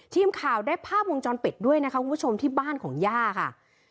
ทีมข่าวได้ภาพวงจรปิดด้วยนะคะคุณผู้ชมที่บ้านของย่าค่ะ